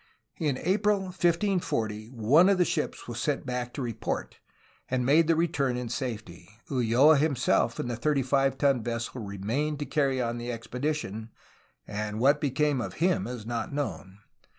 In April 1540 one of the ships was sent back to report, and made the return in safety. Ulloa himself in the 35 ton vessel remained to carry on the expedition, — and what became of him is not known.